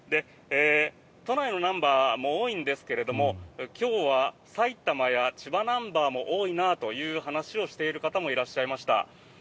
都内のナンバーも多いんですが今日は埼玉や千葉ナンバーも多いなという話をしている方もいらっしゃいました。